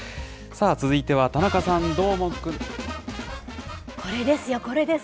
さあ、続いては田中さん、どこれですよ、これです、